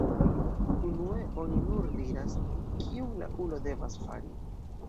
Unue oni nur diras, kiun la ulo devas fari.